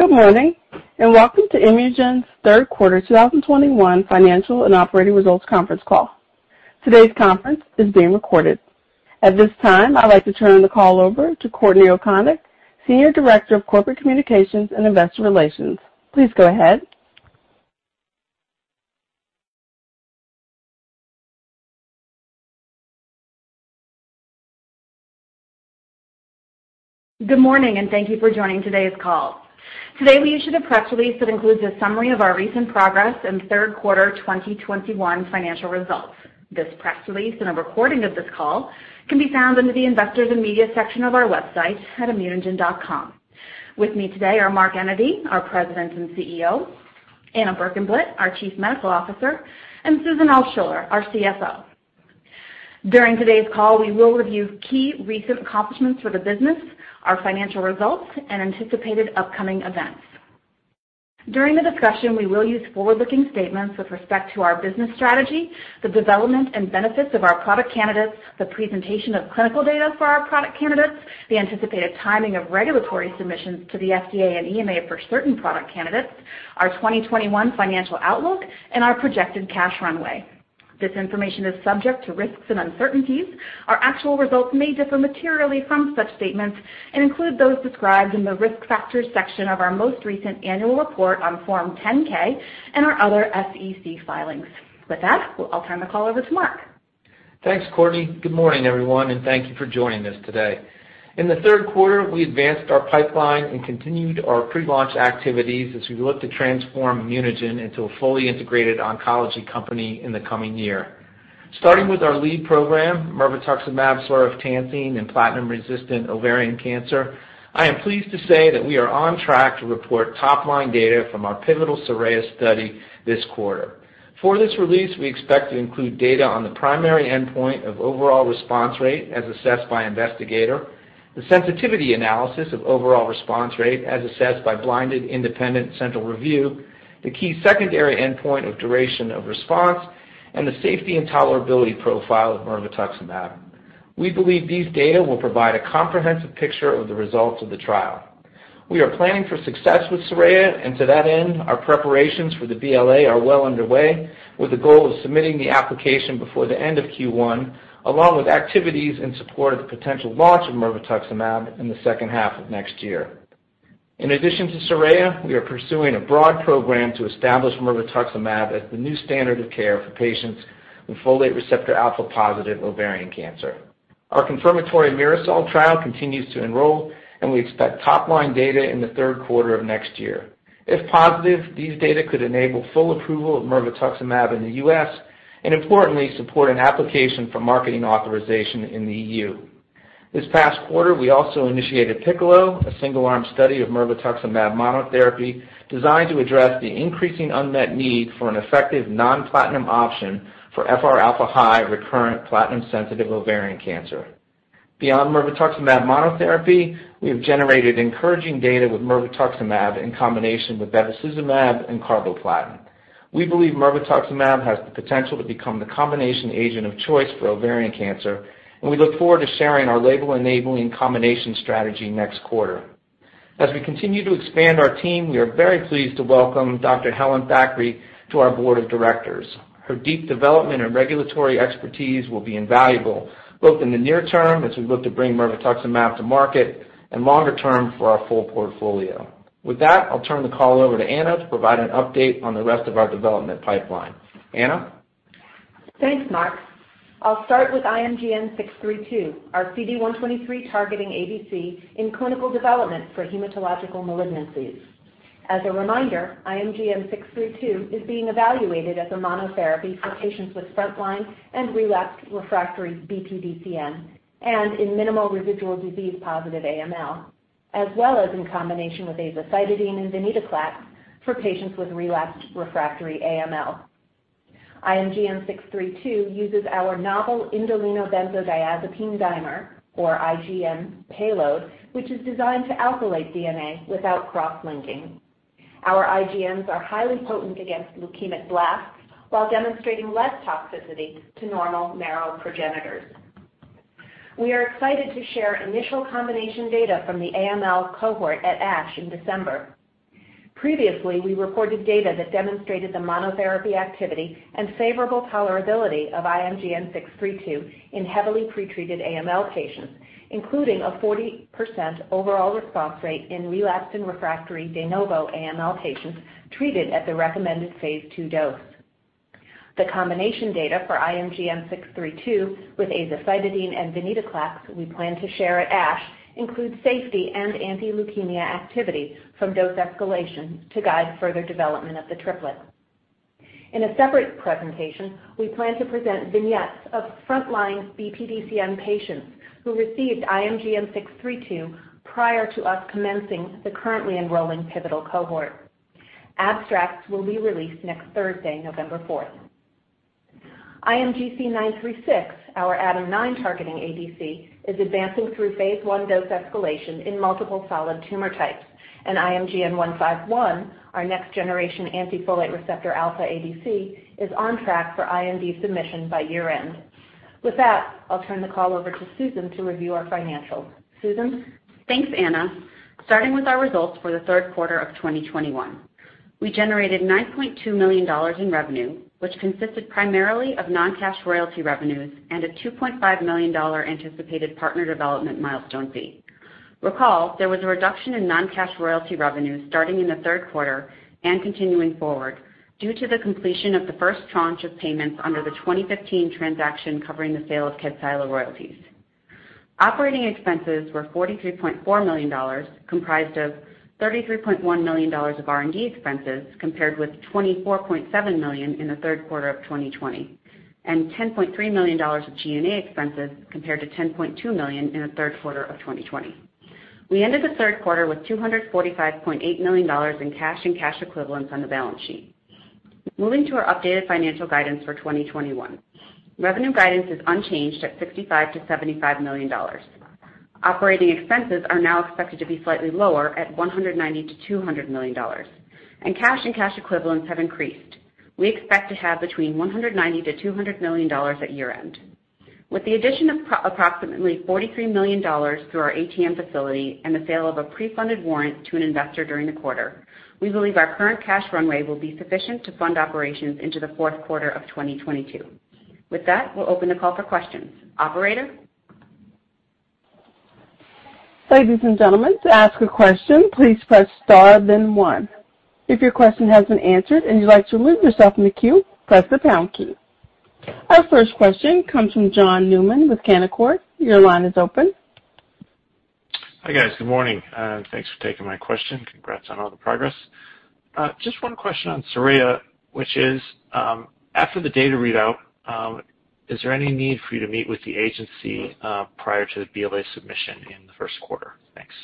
Good morning, and welcome to ImmunoGen's third quarter 2021 financial and operating results conference call. Today's conference is being recorded. At this time, I'd like to turn the call over to Courtney O'Konek, Senior Director, Corporate Communications and Investor Relations. Please go ahead. Good morning, and thank you for joining today's call. Today, we issued a press release that includes a summary of our recent progress and third-quarter 2021 financial results. This press release and a recording of this call can be found under the Investors and Media section of our website at immunogen.com. With me today are Mark Enyedy, our President and CEO; Anna Berkenblit, our Chief Medical Officer; and Susan Altschuller, our CFO. During today's call, we will review key recent accomplishments for the business, our financial results, and anticipated upcoming events. During the discussion, we will use forward-looking statements with respect to our business strategy, the development and benefits of our product candidates, the presentation of clinical data for our product candidates, the anticipated timing of regulatory submissions to the FDA and EMA for certain product candidates, our 2021 financial outlook, and our projected cash runway. This information is subject to risks and uncertainties. Our actual results may differ materially from such statements and include those described in the Risk Factors section of our most recent annual report on Form 10-K and our other SEC filings. With that, I'll turn the call over to Mark. Thanks, Courtney. Good morning, everyone, and thank you for joining us today. In the third quarter, we advanced our pipeline and continued our pre-launch activities as we look to transform ImmunoGen into a fully integrated oncology company in the coming year. Starting with our lead program, mirvetuximab soravtansine in platinum-resistant ovarian cancer, I am pleased to say that we are on track to report top-line data from our pivotal SORAYA study this quarter. For this release, we expect to include data on the primary endpoint of overall response rate as assessed by investigator, the sensitivity analysis of overall response rate as assessed by blinded independent central review, the key secondary endpoint of duration of response, and the safety and tolerability profile of mirvetuximab. We believe these data will provide a comprehensive picture of the results of the trial. We are planning for success with SORAYA, and to that end, our preparations for the BLA are well underway with the goal of submitting the application before the end of Q1, along with activities in support of the potential launch of mirvetuximab in the second half of next year. In addition to SORAYA, we are pursuing a broad program to establish mirvetuximab as the new standard of care for patients with folate receptor alpha-positive ovarian cancer. Our confirmatory MIRASOL trial continues to enroll, and we expect top-line data in the third quarter of next year. If positive, these data could enable full approval of mirvetuximab in the U.S., and importantly, support an application for marketing authorization in the EU. This past quarter, we also initiated PICCOLO, a single-arm study of mirvetuximab monotherapy designed to address the increasing unmet need for an effective non-platinum option for FRα-high recurrent platinum-sensitive ovarian cancer. Beyond mirvetuximab monotherapy, we have generated encouraging data with mirvetuximab in combination with bevacizumab and carboplatin. We believe mirvetuximab has the potential to become the combination agent of choice for ovarian cancer, and we look forward to sharing our label-enabling combination strategy next quarter. As we continue to expand our team, we are very pleased to welcome Dr. Helen Thackray to our board of directors. Her deep development and regulatory expertise will be invaluable both in the near term as we look to bring mirvetuximab to market and longer term for our full portfolio. With that, I'll turn the call over to Anna to provide an update on the rest of our development pipeline. Anna? Thanks, Mark. I'll start with IMGN632, our CD123 targeting ADC in clinical development for hematological malignancies. As a reminder, IMGN632 is being evaluated as a monotherapy for patients with frontline and relapsed refractory BPDCN and in minimal residual disease positive AML, as well as in combination with azacitidine and venetoclax for patients with relapsed refractory AML. IMGN632 uses our novel indolinobenzodiazepine dimer or IGN payload, which is designed to alkylate DNA without cross-linking. Our IGNs are highly potent against leukemic blasts while demonstrating less toxicity to normal marrow progenitors. We are excited to share initial combination data from the AML cohort at ASH in December. Previously, we reported data that demonstrated the monotherapy activity and favorable tolerability of IMGN632 in heavily pretreated AML patients, including a 40% overall response rate in relapsed and refractory de novo AML patients treated at the recommended phase II dose. The combination data for IMGN632 with azacitidine and venetoclax we plan to share at ASH includes safety and anti-leukemia activity from dose escalation to guide further development of the triplet. In a separate presentation, we plan to present vignettes of frontline BPDCN patients who received IMGN632 prior to us commencing the currently enrolling pivotal cohort. Abstracts will be released next Thursday, November fourth. IMGC936, our ADAM9 targeting ADC, is advancing through phase I dose escalation in multiple solid tumor types. IMGN151, our next generation anti-folate receptor alpha ADC, is on track for IND submission by year-end. With that, I'll turn the call over to Susan to review our financials. Susan? Thanks, Anna. Starting with our results for the third quarter of 2021. We generated $9.2 million in revenue, which consisted primarily of non-cash royalty revenues and a $2.5 million anticipated partner development milestone fee. Recall, there was a reduction in non-cash royalty revenues starting in the third quarter and continuing forward due to the completion of the first tranche of payments under the 2015 transaction covering the sale of Kymriah royalties. Operating expenses were $43.4 million, comprised of $33.1 million of R&D expenses, compared with $24.7 million in the third quarter of 2020, and $10.3 million of G&A expenses compared to $10.2 million in the third quarter of 2020. We ended the third quarter with $245.8 million in cash and cash equivalents on the balance sheet. Moving to our updated financial guidance for 2021. Revenue guidance is unchanged at $65 million-$75 million. Operating expenses are now expected to be slightly lower at $190 million-$200 million, and cash and cash equivalents have increased. We expect to have between $190 million-$200 million at year-end. With the addition of approximately $43 million through our ATM facility and the sale of a pre-funded warrant to an investor during the quarter, we believe our current cash runway will be sufficient to fund operations into the fourth quarter of 2022. With that, we'll open the call for questions. Operator? Thanks. Ladies and gentlemen, to ask a question, please press star then 1. If your questions have been answered and you to lessen off the queue, press the down key. Our first question comes from John Newman with Canaccord. Your line is open. Hi, guys. Good morning. Thanks for taking my question. Congrats on all the progress. Just one question on SORAYA, which is, after the data readout, is there any need for you to meet with the agency, prior to the BLA submission in the first quarter? Thanks.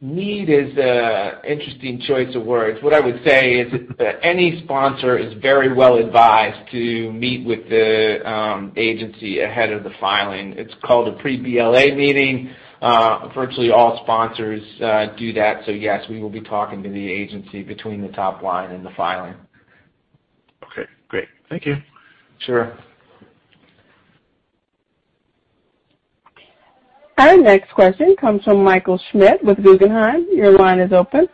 Need is an interesting choice of words. What I would say is that any sponsor is very well advised to meet with the agency ahead of the filing. It's called a pre-BLA meeting. Virtually all sponsors do that. Yes, we will be talking to the agency between the top line and the filing. Okay, great. Thank you. Sure. Our next question comes from Michael Schmidt with Guggenheim. Your line is open.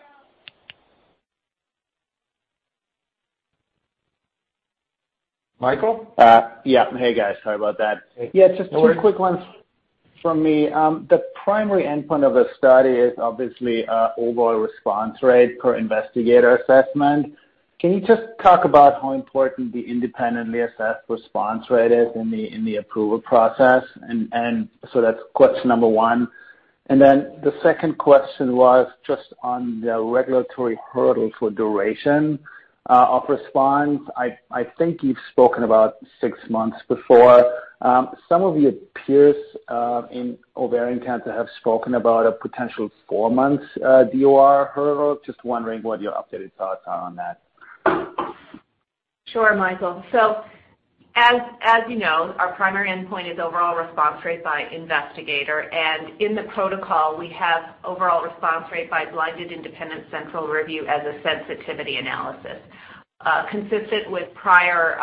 Michael? Yeah. Hey, guys. Sorry about that. Hey. Yeah, just two quick ones from me. The primary endpoint of the study is obviously overall response rate per investigator assessment. Can you just talk about how important the independently assessed response rate is in the approval process? That's question number one. The second question was just on the regulatory hurdle for duration of response. I think you've spoken about six months before. Some of your peers in ovarian cancer have spoken about a potential four-month DOR hurdle. Just wondering what your updated thoughts are on that. Sure, Michael. As you know, our primary endpoint is overall response rate by investigator. In the protocol, we have overall response rate by blinded independent central review as a sensitivity analysis. Consistent with prior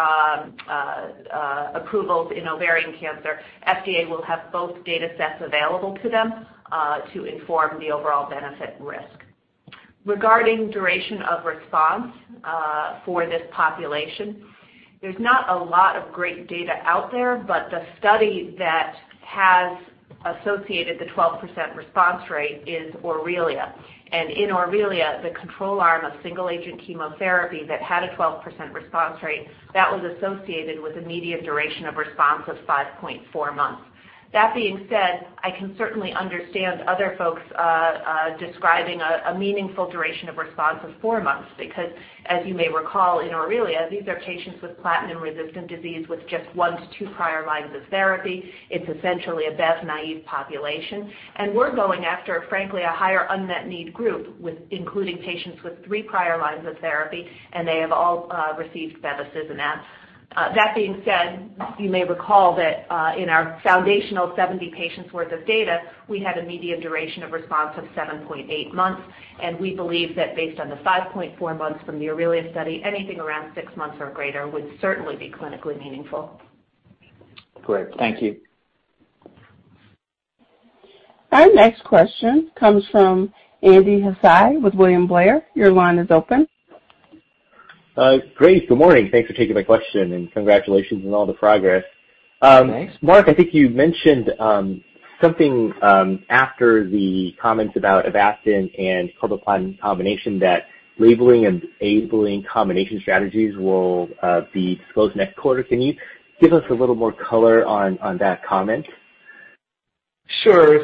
approvals in ovarian cancer, FDA will have both data sets available to them to inform the overall benefit and risk. Regarding duration of response, for this population, there's not a lot of great data out there, but the study that has associated the 12% response rate is AURELIA. In AURELIA, the control arm of single agent chemotherapy that had a 12% response rate, that was associated with a median duration of response of 5.4 months. That being said, I can certainly understand other folks describing a meaningful duration of response of 4 months, because as you may recall, in AURELIA, these are patients with platinum-resistant disease with just one to two prior lines of therapy. It's essentially a Bev-naive population. We're going after, frankly, a higher unmet need group with including patients with three prior lines of therapy, and they have all received bevacizumab. That being said, you may recall that in our foundational 70 patients worth of data, we had a median duration of response of 7.8 months, and we believe that based on the 5.4 months from the AURELIA study, anything around 6 months or greater would certainly be clinically meaningful. Great. Thank you. Our next question comes from Andy Hsieh with William Blair. Your line is open. Great. Good morning. Thanks for taking my question, and congratulations on all the progress. Thanks. Mark, I think you mentioned something after the comments about Avastin and carboplatin combination that labeling and enabling combination strategies will be disclosed next quarter. Can you give us a little more color on that comment? Sure.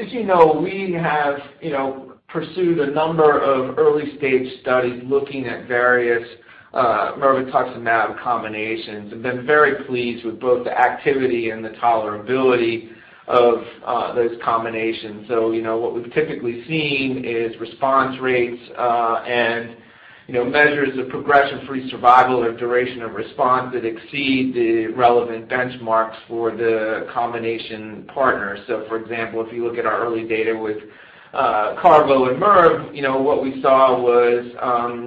As you know, we have, you know, pursued a number of early-stage studies looking at various mirvetuximab combinations and been very pleased with both the activity and the tolerability of those combinations. You know, what we've typically seen is response rates, and You know, measures of progression-free survival or duration of response that exceed the relevant benchmarks for the combination partners. For example, if you look at our early data with CARBO and MIRV, you know, what we saw was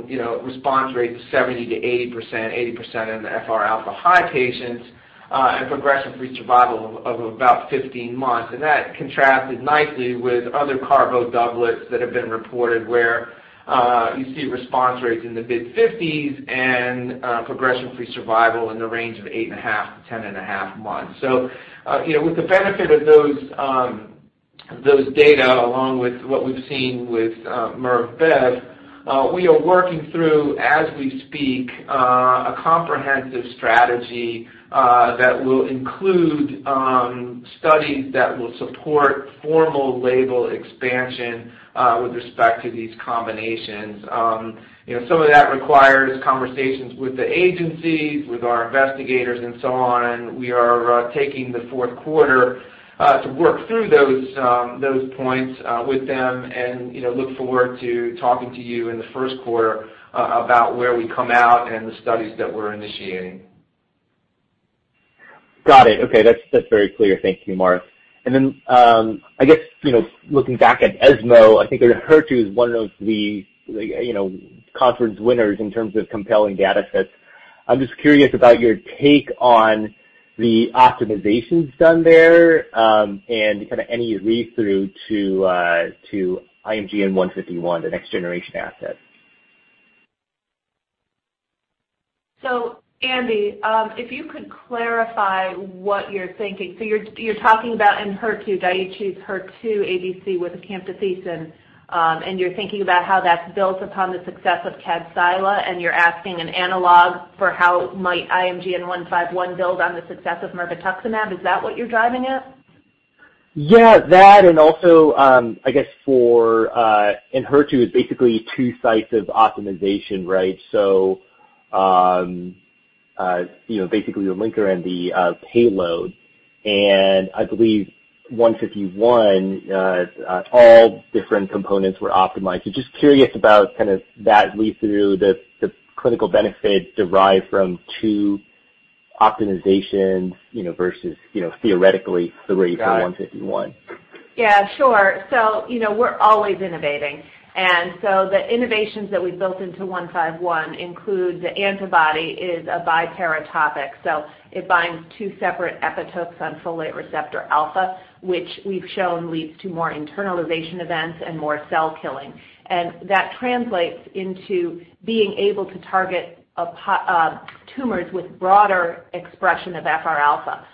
you know, response rates 70% to 80%, 80% in the FR alpha high patients, and progression-free survival of about 15 months. That contrasted nicely with other carvo doublets that have been reported, where you see response rates in the mid-50s and progression-free survival in the range of 8.5-10.5 months. With the benefit of those data along with what we've seen with MIRV-BEV, we are working through as we speak a comprehensive strategy that will include studies that will support formal label expansion with respect to these combinations. You know, some of that requires conversations with the agencies, with our investigators and so on, and we are taking the fourth quarter to work through those points with them and, you know, look forward to talking to you in the first quarter about where we come out and the studies that we're initiating. Got it. Okay. That's very clear. Thank you, Mark. I guess, you know, looking back at ESMO, I think HER2 is one of the, like, you know, conference winners in terms of compelling datasets. I'm just curious about your take on the optimizations done there, and kind of any read-through to IMGN151, the next generation asset. Andy, if you could clarify what you're thinking. You're talking about in HER2, Daiichi's HER2 ADC with a camptothecin, and you're thinking about how that's built upon the success of Kadcyla, and you're asking an analogy for how might IMGN151 build on the success of mirvetuximab. Is that what you're driving at? Yeah, that. I guess the HER2 is basically two sites of optimization, right? You know, basically the linker and the payload. I believe 151, all different components were optimized. Just curious about kind of that read-through, the clinical benefit derived from two optimizations, you know, versus, you know, theoretically three for 151. Got it. Yeah, sure. You know, we're always innovating. The innovations that we built into IMGN151 include the antibody is a biparatopic, so it binds two separate epitopes on folate receptor alpha, which we've shown leads to more internalization events and more cell killing. That translates into being able to target tumors with broader expression of FR alpha,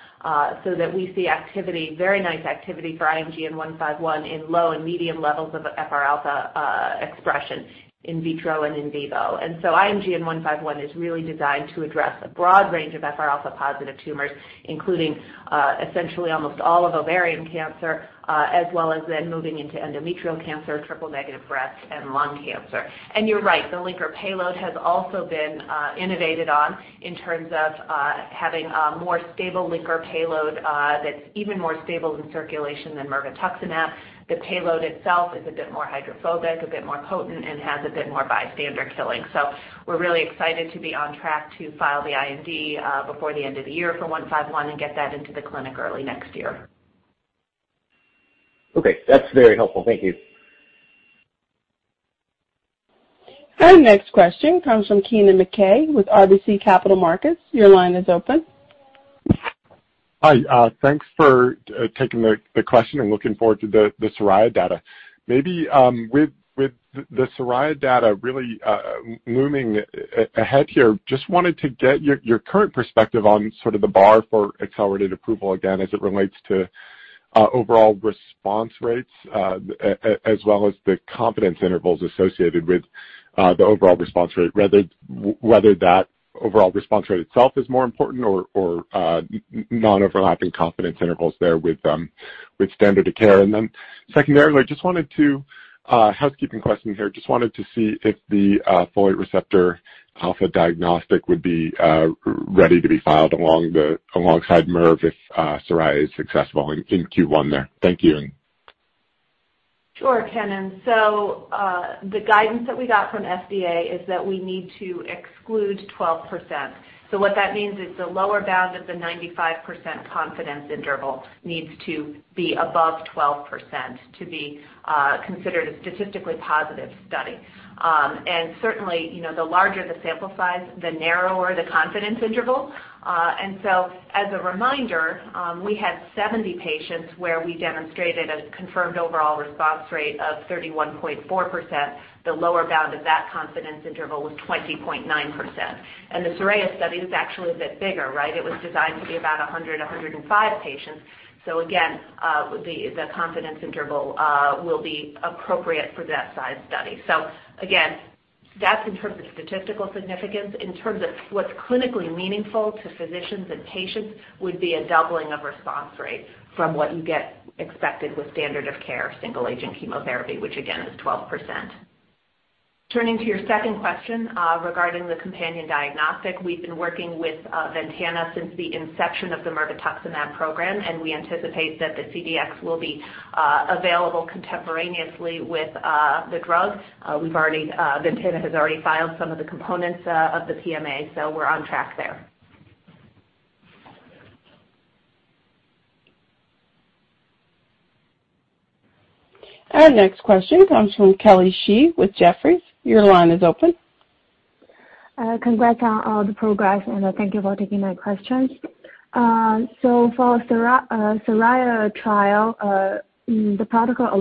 so that we see activity, very nice activity for IMGN151 in low and medium levels of FR alpha expression in vitro and in vivo. IMGN151 is really designed to address a broad range of FR alpha-positive tumors, including essentially almost all of ovarian cancer, as well as then moving into endometrial cancer, triple negative breast and lung cancer. You're right, the linker payload has also been innovated on in terms of having a more stable linker payload that's even more stable in circulation than mirvetuximab. The payload itself is a bit more hydrophobic, a bit more potent, and has a bit more bystander killing. We're really excited to be on track to file the IND before the end of the year for IMGN151 and get that into the clinic early next year. Okay. That's very helpful. Thank you. Our next question comes from Kennen MacKay with RBC Capital Markets. Your line is open. Hi. Thanks for taking the question. I'm looking forward to the SORAYA data. Maybe with the SORAYA data really looming ahead here, just wanted to get your current perspective on sort of the bar for accelerated approval again as it relates to overall response rates as well as the confidence intervals associated with the overall response rate, rather whether that overall response rate itself is more important or non-overlapping confidence intervals there with standard of care. Secondarily, just wanted a housekeeping question here. Just wanted to see if the folate receptor alpha diagnostic would be ready to be filed alongside MIRV if SORAYA is successful in Q1 there. Thank you. Sure, Kennen. The guidance that we got from FDA is that we need to exclude 12%. What that means is the lower bound of the 95% confidence interval needs to be above 12% to be considered a statistically positive study. Certainly, you know, the larger the sample size, the narrower the confidence interval. As a reminder, we had 70 patients where we demonstrated a confirmed overall response rate of 31.4%. The lower bound of that confidence interval was 20.9%. The SORAYA study is actually a bit bigger, right? It was designed to be about 100, 105 patients. The confidence interval will be appropriate for that size study. That's in terms of statistical significance. In terms of what's clinically meaningful to physicians and patients would be a doubling of response rate from what you get expected with standard of care, single agent chemotherapy, which again is 12%. Turning to your second question, regarding the companion diagnostic, we've been working with Ventana since the inception of the mirvetuximab program, and we anticipate that the CDX will be available contemporaneously with the drug. Ventana has already filed some of the components of the PMA, so we're on track there. Our next question comes from Kelly Shi with Jefferies. Your line is open. Congrats on all the progress, and thank you for taking my questions. For the SORAYA trial, the protocol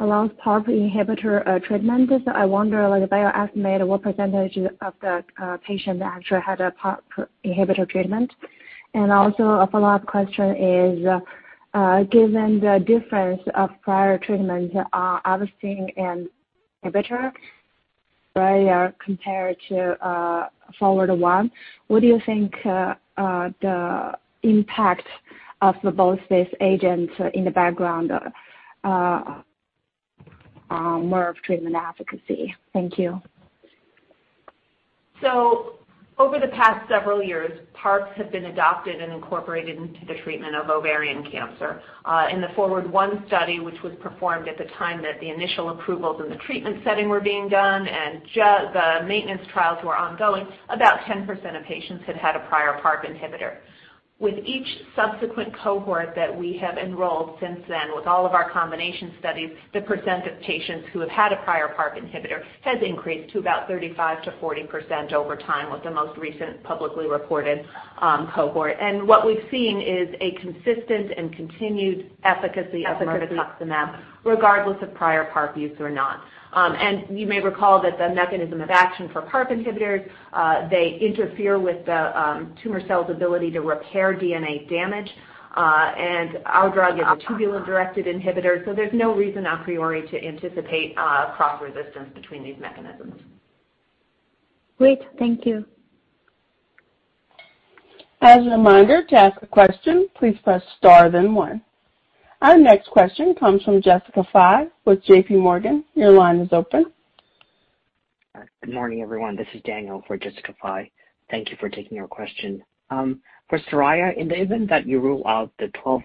allows PARP inhibitor treatment. I wonder, like, if I estimate what percentage of the patients actually had a PARP inhibitor treatment. Also a follow-up question is, given the difference of prior treatment, Avastin and PARP inhibitor, right, compared to FORWARD I, what do you think the impact of both these agents in the background on mirvetuximab efficacy? Thank you. Over the past several years, PARPs have been adopted and incorporated into the treatment of ovarian cancer. In the FORWARD I study, which was performed at the time that the initial approvals in the treatment setting were being done and the maintenance trials were ongoing, about 10% of patients had had a prior PARP inhibitor. With each subsequent cohort that we have enrolled since then, with all of our combination studies, the percent of patients who have had a prior PARP inhibitor has increased to about 35%-40% over time, with the most recent publicly reported cohort. What we've seen is a consistent and continued efficacy of mirvetuximab regardless of prior PARP use or not. You may recall that the mechanism of action for PARP inhibitors. They interfere with the tumor cell's ability to repair DNA damage. Our drug is a tubulin-directed inhibitor, so there's no reason a priori to anticipate cross resistance between these mechanisms. Great. Thank you. As a reminder, to ask a question, please press star then one. Our next question comes from Jessica Fye with J.P. Morgan. Your line is open. Good morning, everyone. This is Daniel for Jessica Fye. Thank you for taking our question. For SORAYA, in the event that you rule out the 12%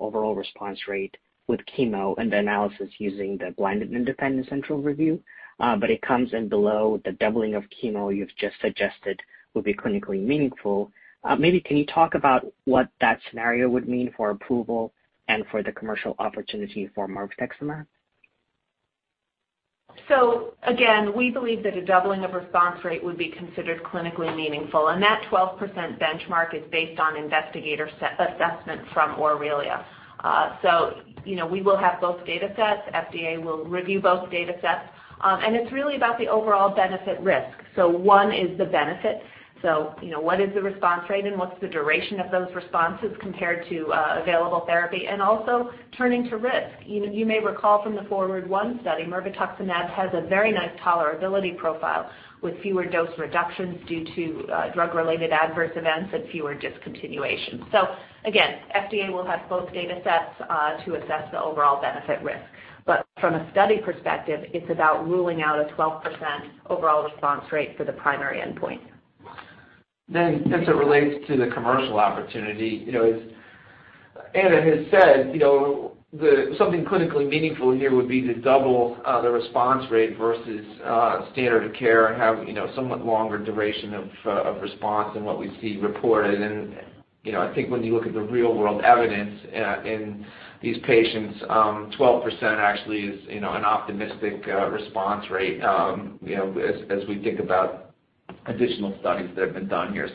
overall response rate with chemo and the analysis using the blinded independent central review, but it comes in below the doubling of chemo you've just suggested will be clinically meaningful, maybe can you talk about what that scenario would mean for approval and for the commercial opportunity for mirvetuximab? Again, we believe that a doubling of response rate would be considered clinically meaningful, and that 12% benchmark is based on investigator assessment from AURELIA. You know, we will have both datasets. FDA will review both datasets. It's really about the overall benefit risk. One is the benefit. You know, what is the response rate and what's the duration of those responses compared to available therapy? Also turning to risk. You may recall from the FORWARD I study, mirvetuximab has a very nice tolerability profile with fewer dose reductions due to drug-related adverse events and fewer discontinuations. Again, FDA will have both datasets to assess the overall benefit risk. From a study perspective, it's about ruling out a 12% overall response rate for the primary endpoint. As it relates to the commercial opportunity, you know, as Anna has said, you know, the something clinically meaningful here would be to double the response rate versus standard of care and have, you know, somewhat longer duration of response than what we see reported. I think when you look at the real-world evidence in these patients, 12% actually is, you know, an optimistic response rate, you know, as we think about additional studies that have been done here.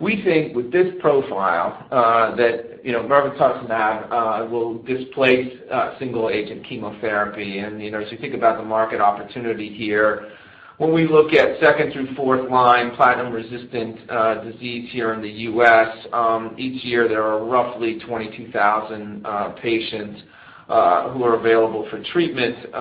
We think with this profile, that, you know, mirvetuximab will displace single-agent chemotherapy. You know, as you think about the market opportunity here, when we look at second through fourth line platinum-resistant disease here in the U.S., each year there are roughly 22,000 patients who are available for treatment.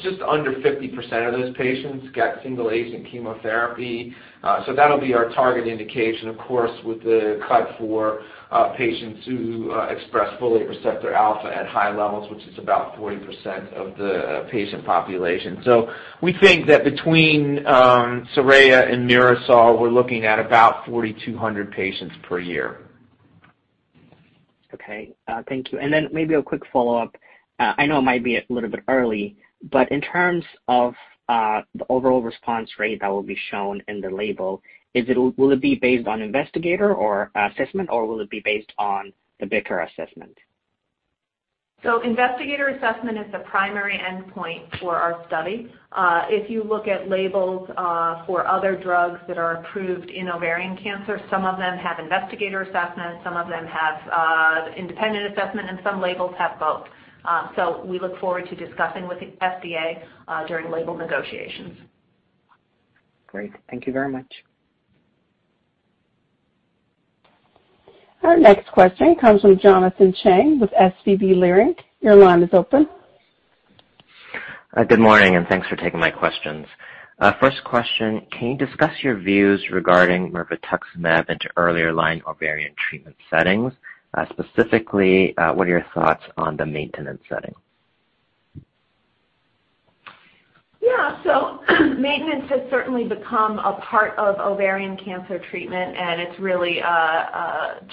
Just under 50% of those patients get single-agent chemotherapy. That'll be our target indication, of course, with the cutoff for patients who express folate receptor alpha at high levels, which is about 40% of the patient population. We think that between SORAYA and MIRASOL, we're looking at about 4,200 patients per year. Okay. Thank you. Maybe a quick follow-up. I know it might be a little bit early, but in terms of the overall response rate that will be shown in the label, will it be based on investigator or assessment or will it be based on the BICR assessment? Investigator assessment is the primary endpoint for our study. If you look at labels for other drugs that are approved in ovarian cancer, some of them have investigator assessment, some of them have independent assessment, and some labels have both. We look forward to discussing with the FDA during label negotiations. Great. Thank you very much. Our next question comes from Jonathan Chang with SVB Leerink. Your line is open. Good morning, and thanks for taking my questions. First question, can you discuss your views regarding mirvetuximab into earlier line ovarian treatment settings? Specifically, what are your thoughts on the maintenance setting? Maintenance has certainly become a part of ovarian cancer treatment, and it's really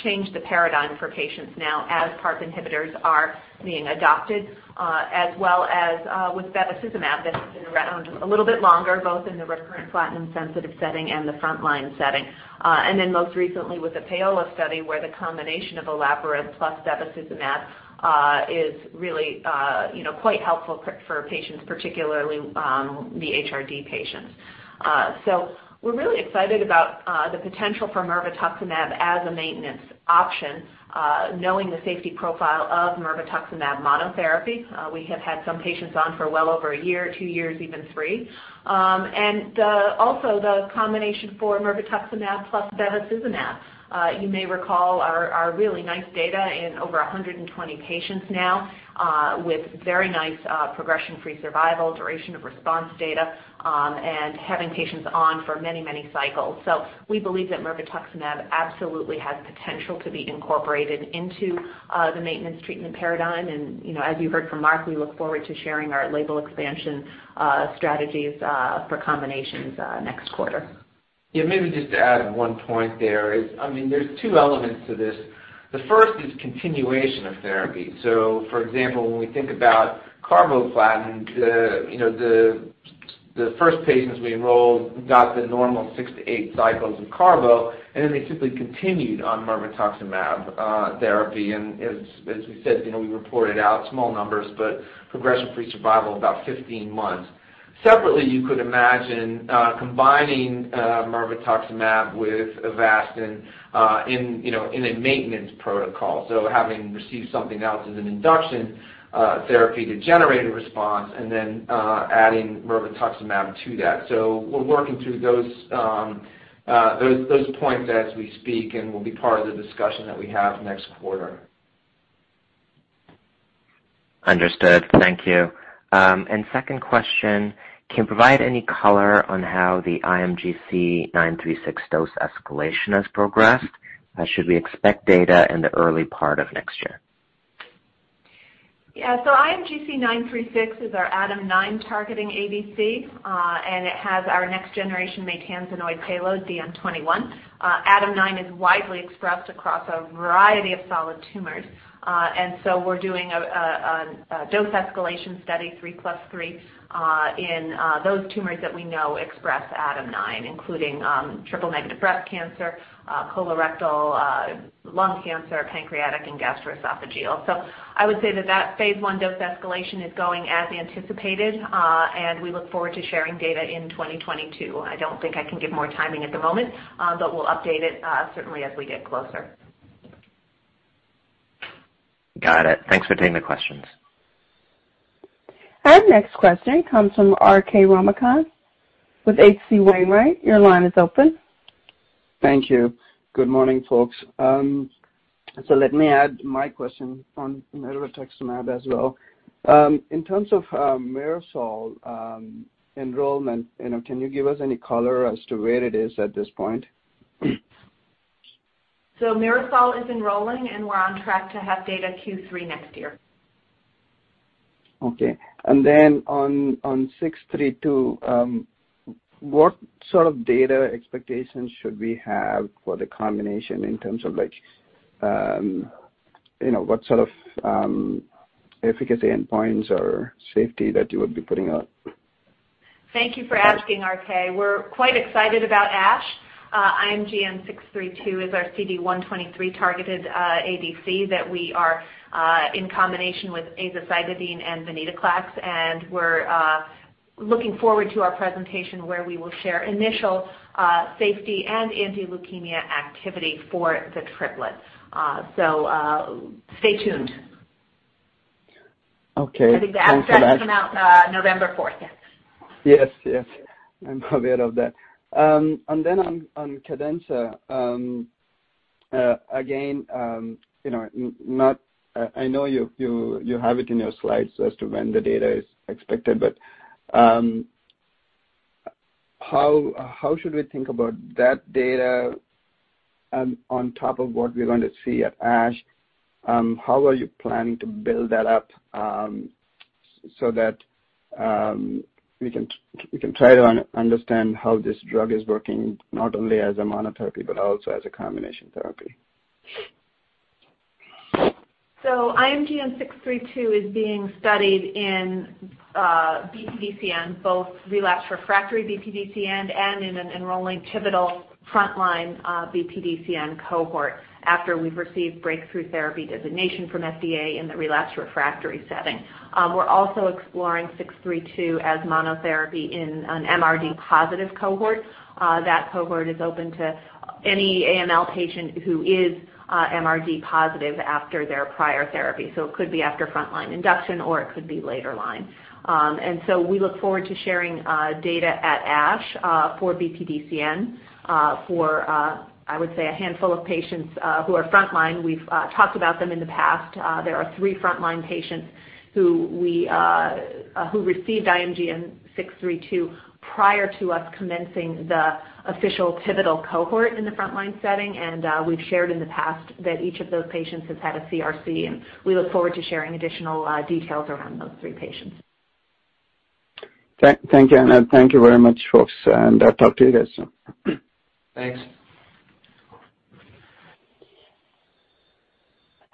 changed the paradigm for patients now as PARP inhibitors are being adopted as well as with bevacizumab that's been around a little bit longer, both in the recurrent platinum-sensitive setting and the frontline setting. Most recently with the PAOLA-1 study, where the combination of olaparib plus bevacizumab is really you know quite helpful for patients, particularly the HRD patients. We're really excited about the potential for mirvetuximab as a maintenance option, knowing the safety profile of mirvetuximab monotherapy. We have had some patients on for well over a year, two years, even three. Also the combination for mirvetuximab plus bevacizumab. You may recall our really nice data in over 120 patients now, with very nice progression-free survival, duration of response data, and having patients on for many, many cycles. We believe that mirvetuximab absolutely has potential to be incorporated into the maintenance treatment paradigm. You know, as you heard from Mark, we look forward to sharing our label expansion strategies for combinations next quarter. Yeah, maybe just to add one point there is, I mean, there's two elements to this. The first is continuation of therapy. For example, when we think about carboplatin, you know, the first patients we enrolled got the normal 6-8 cycles of CARBO, and then they simply continued on mirvetuximab therapy. As we said, you know, we reported out small numbers, but progression-free survival about 15 months. Separately, you could imagine combining mirvetuximab with Avastin in a maintenance protocol. Having received something else as an induction therapy to generate a response and then adding mirvetuximab to that. We're working through those points as we speak and will be part of the discussion that we have next quarter. Understood. Thank you. Second question, can you provide any color on how the IMGC936 dose escalation has progressed? Should we expect data in the early part of next year? Yeah. IMGC936 is our ADAM9-targeting ADC, and it has our next-generation maytansinoid payload, DM21. ADAM9 is widely expressed across a variety of solid tumors. We're doing a dose escalation study, 3+3, in those tumors that we know express ADAM9, including triple-negative breast cancer, colorectal, lung cancer, pancreatic, and gastroesophageal. I would say that phase I dose escalation is going as anticipated, and we look forward to sharing data in 2022. I don't think I can give more timing at the moment, but we'll update it certainly as we get closer. Got it. Thanks for taking the questions. Our next question comes from RK Ramakanth with H.C. Wainwright. Your line is open. Thank you. Good morning, folks. Let me add my question on mirvetuximab as well. In terms of MIRASOL enrollment, you know, can you give us any color as to where it is at this point? MIRASOL is enrolling, and we're on track to have data Q3 next year. Okay. On 632, what sort of data expectations should we have for the combination in terms of like, you know, what sort of efficacy endpoints or safety that you would be putting out? Thank you for asking, RK. We're quite excited about ASH. IMGN632 is our CD123-targeted ADC that we are in combination with azacitidine and venetoclax, and we're looking forward to our presentation where we will share initial safety and anti-leukemia activity for the triplet. Stay tuned. Okay. Thanks for that. I think the abstracts come out, November fourth. Yes. Yes. Yes. I'm aware of that. On CADENZA, again, you know, I know you have it in your slides as to when the data is expected, but how should we think about that data on top of what we're going to see at ASH? How are you planning to build that up so that we can try to understand how this drug is working not only as a monotherapy but also as a combination therapy? IMGN632 is being studied in BPDCN, both relapse refractory BPDCN and in an enrolling pivotal frontline BPDCN cohort after we've received Breakthrough Therapy designation from FDA in the relapse refractory setting. We're also exploring IMGN632 as monotherapy in an MRD positive cohort. That cohort is open to any AML patient who is MRD positive after their prior therapy. It could be after frontline induction, or it could be later line. We look forward to sharing data at ASH for BPDCN for a handful of patients who are frontline. We've talked about them in the past. There are three frontline patients who received IMGN632 prior to us commencing the official pivotal cohort in the frontline setting. We've shared in the past that each of those patients has had a CRC, and we look forward to sharing additional details around those three patients. Thank you, Anna. Thank you very much, folks, and I'll talk to you guys soon. Thanks.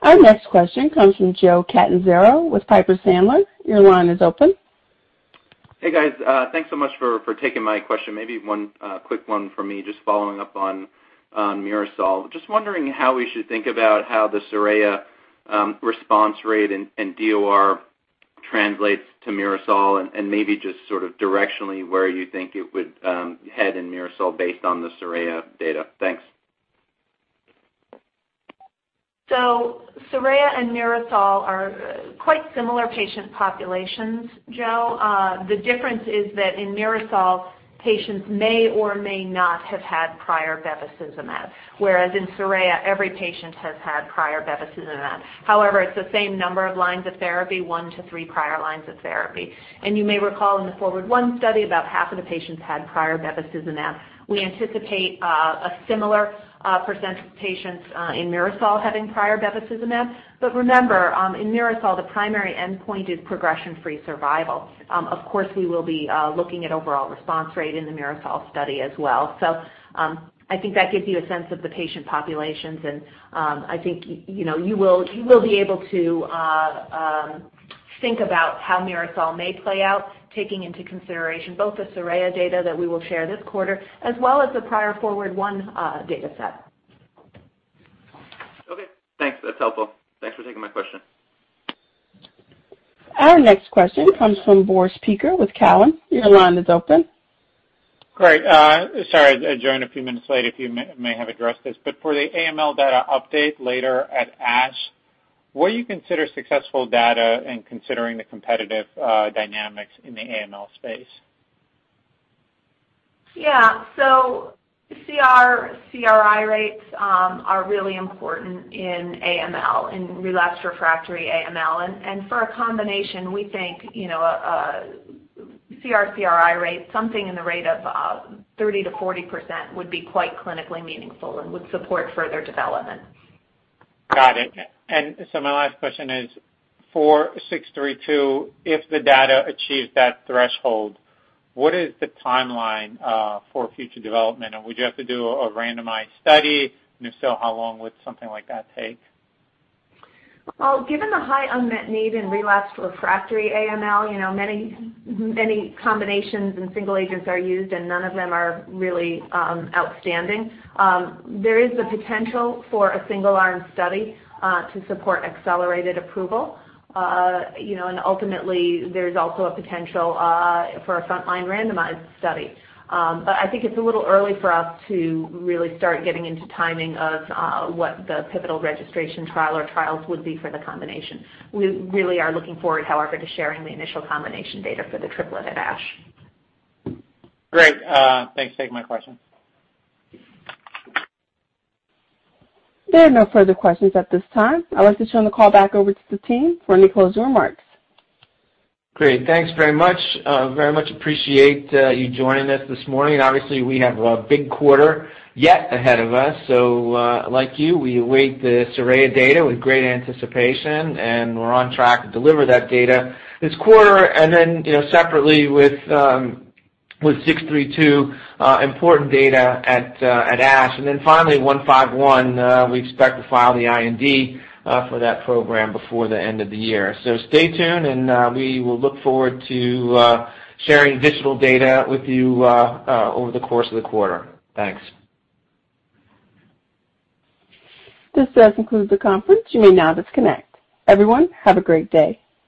Our next question comes from Joe Catanzaro with Piper Sandler. Your line is open. Hey, guys. Thanks so much for taking my question. Maybe one quick one from me, just following up on MIRASOL. Just wondering how we should think about how the SORAYA response rate and DOR translates to MIRASOL and maybe just sort of directionally where you think it would head in MIRASOL based on the SORAYA data. Thanks. SORAYA and MIRASOL are quite similar patient populations, Joe. The difference is that in MIRASOL, patients may or may not have had prior bevacizumab, whereas in SORAYA, every patient has had prior bevacizumab. However, it's the same number of lines of therapy, 1-3 prior lines of therapy. You may recall in the FORWARD I study, about half of the patients had prior bevacizumab. We anticipate a similar % of patients in MIRASOL having prior bevacizumab. Remember, in MIRASOL, the primary endpoint is progression-free survival. Of course, we will be looking at overall response rate in the MIRASOL study as well. I think that gives you a sense of the patient populations, and I think, you know, you will be able to think about how MIRASOL may play out, taking into consideration both the SORAYA data that we will share this quarter as well as the prior FORWARD I data set. Okay, thanks. That's helpful. Thanks for taking my question. Our next question comes from Boris Peaker with Cowen. Your line is open. Great. Sorry, I joined a few minutes late. If you may have addressed this, but for the AML data update later at ASH, what do you consider successful data in considering the competitive dynamics in the AML space? Yeah. CR, CRi rates are really important in AML, in relapsed refractory AML. For a combination, we think, you know, CR, CRi rates, something in the rate of 30% TO 40% would be quite clinically meaningful and would support further development. Got it. My last question is, for six-three-two, if the data achieves that threshold, what is the timeline for future development? Would you have to do a randomized study? If so, how long would something like that take? Well, given the high unmet need in relapsed refractory AML, you know, many, many combinations and single agents are used, and none of them are really outstanding. There is the potential for a single-arm study to support accelerated approval. You know, ultimately, there's also a potential for a frontline randomized study. I think it's a little early for us to really start getting into timing of what the pivotal registration trial or trials would be for the combination. We really are looking forward, however, to sharing the initial combination data for the triplet at ASH. Great. Thanks for taking my question. There are no further questions at this time. I'd like to turn the call back over to the team for any closing remarks. Great. Thanks very much. We very much appreciate you joining us this morning. Obviously, we have a big quarter yet ahead of us. Like you, we await the SORAYA data with great anticipation, and we're on track to deliver that data this quarter and then separately with IMGN632 important data at ASH. Finally, IMGN151 we expect to file the IND for that program before the end of the year. Stay tuned, and we will look forward to sharing additional data with you over the course of the quarter. Thanks. This does conclude the conference. You may now disconnect. Everyone, have a great day.